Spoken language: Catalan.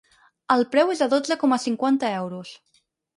El preu és de dotze coma cinquanta euros.